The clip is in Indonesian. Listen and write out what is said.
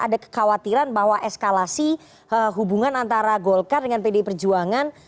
ada kekhawatiran bahwa eskalasi hubungan antara golkar dengan pdi perjuangan